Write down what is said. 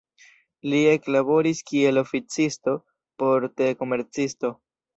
Li eklaboris kiel oficisto por te-komercisto.